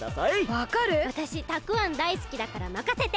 わたしたくあんだいすきだからまかせて！